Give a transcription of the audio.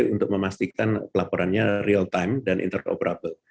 untuk memastikan pelaporannya real time dan interoperable